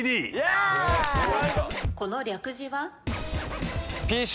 この略字は？ＰＣ。